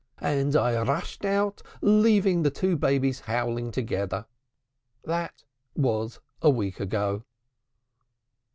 And I rushed out, leaving the two babies howling together. That was a week ago."